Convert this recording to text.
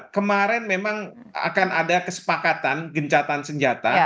kemarin memang akan ada kesepakatan gencatan senjata